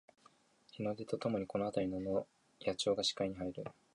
日の出とともにこのあたりの野鳥が視界に入る